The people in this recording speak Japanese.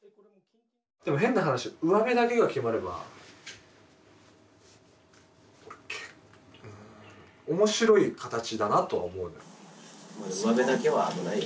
でも変な話うわべだけが決まれば面白い形だなとは思うよ。